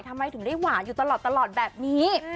ทำไมถึงได้หวานอยู่ตลอดแบบนี้